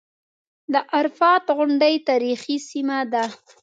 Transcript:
د عرفات غونډۍ تاریخي سیمه ده.